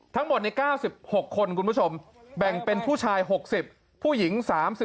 ทั้งหมดใน๙๖คนคุณผู้ชมแบ่งเป็นผู้ชาย๖๐ผู้หญิง๓๐